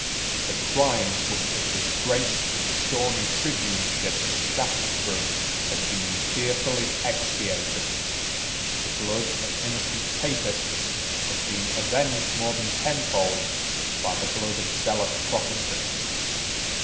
The crimes which had disgraced the stormy tribuneship of Shaftesbury had been fearfully expiated. The blood of innocent Papists had been avenged more than tenfold by the blood of zealous Protestants.